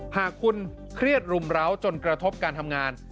หากคุณเครียดรุมร้าวจนกระทบการทำงาน